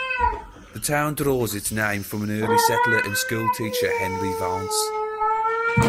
The town draws its name from an early settler and school teacher Henry Vance.